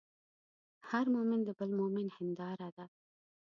هر مؤمن د بل مؤمن هنداره ده.